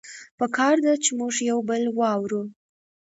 پکار ده چې مونږه يو بل واورو